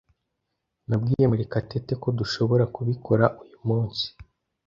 Nabwiye Murekatete ko dushobora kubikora uyu munsi.